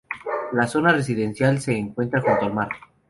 La zona residencial se encuentra junto al mar.